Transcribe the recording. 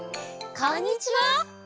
こんにちは！